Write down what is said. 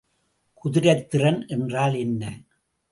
குதிரைத்திறன் என்றால் என்ன?